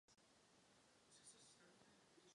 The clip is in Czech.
Tvar konstrukce bazénů je vysoce náročný na přesnost.